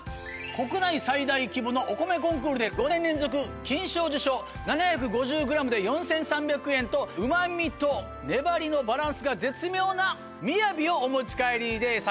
国内最大規模のお米コンクールで５年連続金賞受賞７５０ｇで４３００円とうま味と粘りのバランスが絶妙な雅をお持ち帰りで差し上げます。